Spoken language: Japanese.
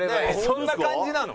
そんな感じなの？